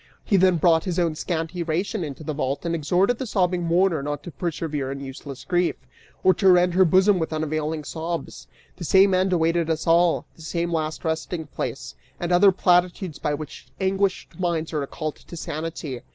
He then brought his own scanty ration into the vault and exhorted the sobbing mourner not to persevere in useless grief, or rend her bosom with unavailing sobs; the same end awaited us all, the same last resting place: and other platitudes by which anguished minds are recalled to sanity.